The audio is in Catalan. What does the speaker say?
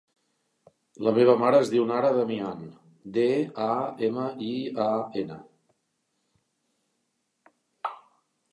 La meva mare es diu Nara Damian: de, a, ema, i, a, ena.